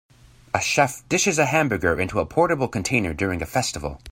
A chef dishes a hamburger into a portable container during a festival.